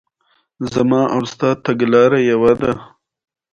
له خطر څخه د ځان ساتلو لپاره په برېښنایي دورو کې فیوز وکاروئ.